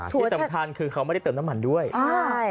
ที่สำคัญคือเขาไม่ได้เติมน้ำมันด้วยใช่